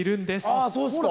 あそうですか！